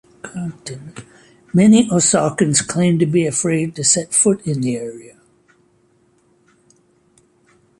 Many Osakans claim to be afraid to set foot in the area.